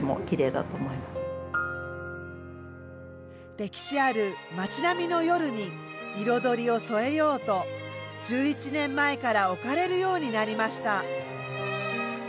歴史ある町並みの夜に彩りを添えようと１１年前から置かれるようになりました。